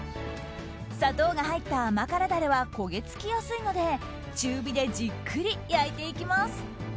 砂糖が入った甘辛ダレは焦げ付きやすいので中火でじっくり焼いていきます。